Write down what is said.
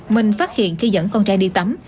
mình phát hiện khi dẫn con trăng đi tắm